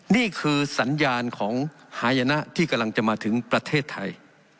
นี่คือสัญญาณของหายนะที่กำลังจะมาถึงประเทศไทย